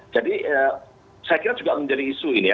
jadi saya kira juga menjadi isu ini ya